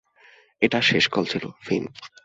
এটাই শেষ কল ছিল, ফিন।